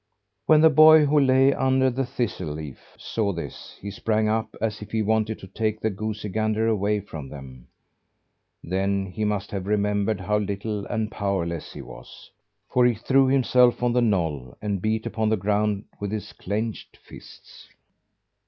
When the boy, who lay under the thistle leaf saw this, he sprang up as if he wanted to take the goosey gander away from them; then he must have remembered how little and powerless he was, for he threw himself on the knoll and beat upon the ground with his clenched fists.